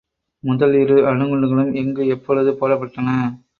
முதல் இரு அணுக்குண்டுகளும் எங்கு எப்பொழுது போடப்பட்டன?